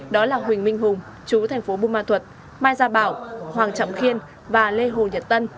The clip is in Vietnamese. đó là huỳnh minh hùng chú thành phố bù ma thuật mai gia bảo hoàng trọng khiên và lê hồ nhật tân